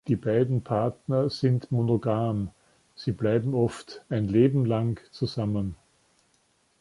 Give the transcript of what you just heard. Die beiden Partner sind monogam, sie bleiben oft ein Leben lang zusammen.